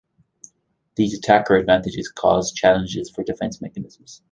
These attacker advantages cause challenges for defense mechanisms.